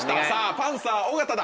「パンサー・尾形だ」